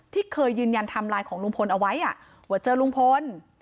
ที่เคยยืนยันไทม์ไลน์ของลุงพลเอาไว้ว่าเจอลุงพล